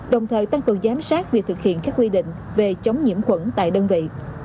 đồng thời tăng cường giám sát việc thực hiện các quy định về chống nhiễm khuẩn tại đơn vị